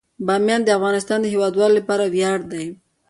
بامیان د افغانستان د هیوادوالو لپاره ویاړ دی.